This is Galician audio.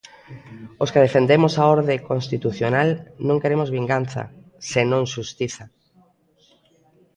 Os que defendemos a orde constitucional non queremos vinganza, senón xustiza.